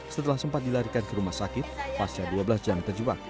setelah sempat dilarikan ke rumah sakit pasca dua belas jam terjebak